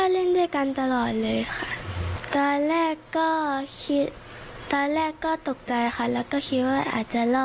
เล่นด้วยกันตลอดไหมค่ะ